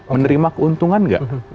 menerima keuntungan nggak